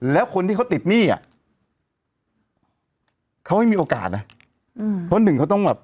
แล้วคนที่เขาติดหนี้อ่ะเขาไม่มีโอกาสนะอืมเพราะหนึ่งเขาต้องแบบ